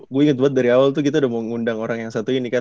gue inget banget dari awal tuh kita udah mau ngundang orang yang satu ini kan